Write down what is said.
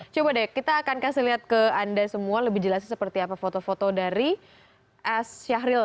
coba deh kita akan kasih lihat ke anda semua lebih jelasnya seperti apa foto foto dari s syahril